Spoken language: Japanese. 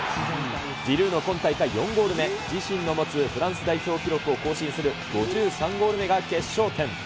ジルーの今大会４ゴール目、自身の持つフランス代表記録を更新する５３ゴール目が決勝点。